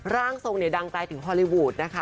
ร่างทรงเนี่ยดังไกลถึงฮอลลีวูดนะคะ